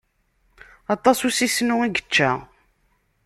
Aṭas n usisnu i yečča.